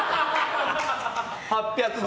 ８００ｇ。